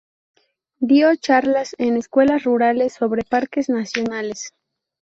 Dio charlas en escuelas rurales sobre Parques Nacionales.